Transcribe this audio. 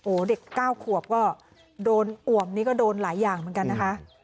โอ้โหเด็ก๙ขวบก็โดนอวมนี่ก็โดนหลายอย่างเหมือนกันนะคะ